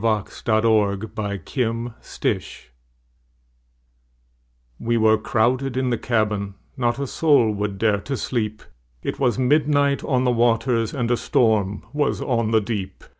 W X . Y Z Ballad of the Tempest WE were crowded in the cabin, Not a soul would dare to sleep, It was midnight on the waters, And a storm was on the deep.